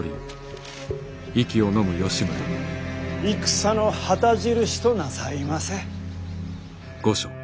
戦の旗印となさいませ。